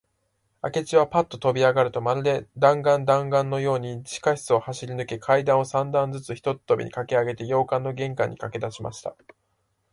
明智はパッととびあがると、まるで弾丸だんがんのように、地下室を走りぬけ、階段を三段ずつ一とびにかけあがって、洋館の玄関にかけだしました。